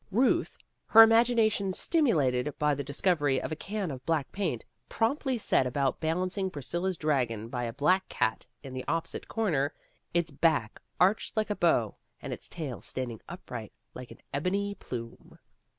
Ruth, her imagination stimulated by the dis covery of a can of black paint, promptly set about balancing Friscilla's dragon, by a black cat in the opposite corner, its back arched like a bow, and its tail standing upright like an ebony plume.